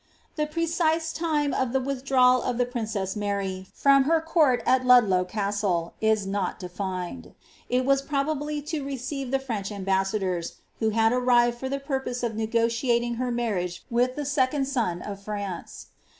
The precise time of the withdrawal of the princess Mary from her conrt at Ludlow Castle, is not defined ; it was probably to receive the French ambassadors, who had arrived for the purpose of negotiating her marriage with the second son of France.